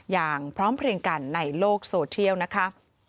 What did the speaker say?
อย่างพร้อมเพลียงกันในโลกโซเทียลนะคะ